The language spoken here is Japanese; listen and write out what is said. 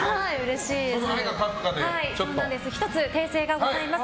１つ訂正がございます。